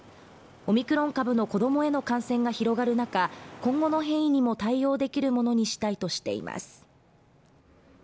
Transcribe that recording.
オミクロン株の子供への感染が広がる中今後の変異にも対応できるものにしたいとしています